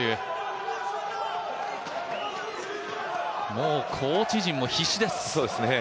もうコーチ陣も必死です。